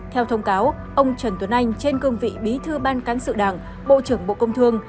theo thông cáo ông trần tuấn anh trên cương vị bí thư ban cán sự đảng bộ trưởng bộ công thương